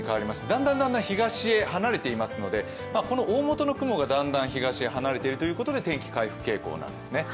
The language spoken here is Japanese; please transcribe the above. だんだん東へ離れていますので、この大元の雲がだんだん東に離れてるということで天気回復傾向なんです。